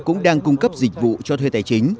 cũng đang cung cấp dịch vụ cho thuê tài chính